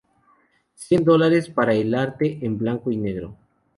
Cien dólares para el arte en blanco y negro.